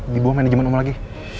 di bawah manajemen umum lagi